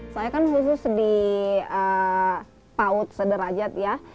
saya kan khusus di paut sederajat ya